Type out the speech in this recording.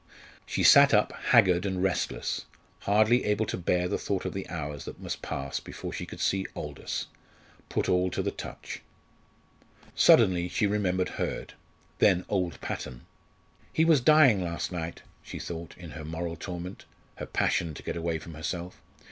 She sat up haggard and restless, hardly able to bear the thought of the hours that must pass before she could see Aldous put all to the touch. Suddenly she remembered Hurd then old Patton. "He was dying last night," she thought, in her moral torment her passion to get away from herself.